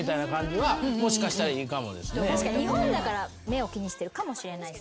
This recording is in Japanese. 確かに日本だから目を気にしてるかもしれない。